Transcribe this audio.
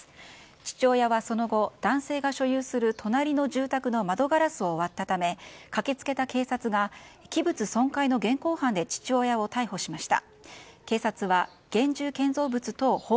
父親はその後、男性が所有する隣の住宅の窓ガラスを割ったため駆け付けた警察が器物損壊の現行犯で父親を逮捕しました。